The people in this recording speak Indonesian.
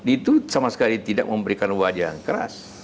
itu sama sekali tidak memberikan wajah yang keras